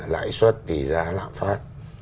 lãi suất tỷ giá lạm phát